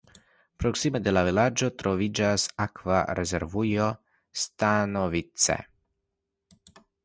Proksime de la vilaĝo troviĝas akva rezervujo Stanovice.